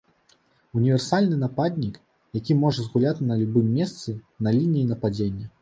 Універсальны нападнік, які можа згуляць на любым месцы на лініі нападзення.